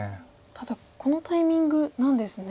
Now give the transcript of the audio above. ただこのタイミングなんですね。